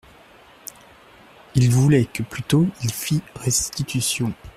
Ils voulaient que plutôt il fit restitution.